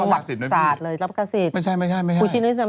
รับประกาศสิทธิ์